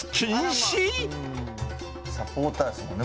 サポーターですもんね